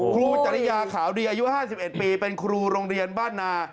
จริยาขาวดีอายุ๕๑ปีเป็นครูโรงเรียนบ้านนา